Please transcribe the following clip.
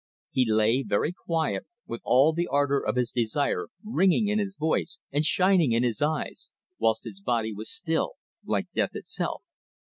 He lay very quiet, with all the ardour of his desire ringing in his voice and shining in his eyes, whilst his body was still, like death itself.